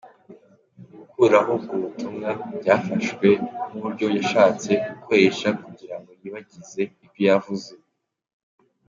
Gukuraho ubwo butumwa byafashwe nk’uburyo yashatse gukoresha kugirango yibagize ibyo yavuze.